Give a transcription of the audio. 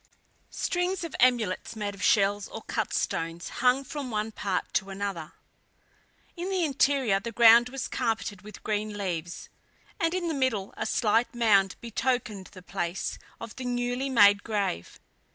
Strings of amulets, made of shells or cut stones, hung from one part to another. In the interior, the ground was carpeted with green leaves, and in the middle, a slight mound betokened the place of the newly made grave.